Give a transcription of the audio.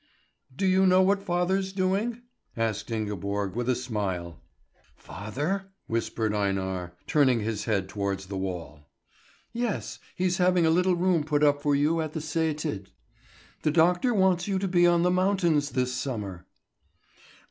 "Do you know what father's doing?" asked Ingeborg with a smile. "Father?" whispered Einar, turning his head towards the wall. "Yes. He's having a little room put up for you at the sæter. The doctor wants you to be on the mountains this summer."